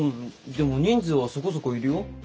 でも人数はそこそこいるよ。